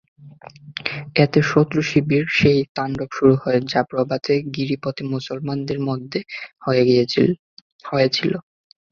এতে শত্রু-শিবিরে সেই তাণ্ডব শুরু হয়, যা প্রভাতে গিরিপথে মুসলমানদের মধ্যে হয়েছিল।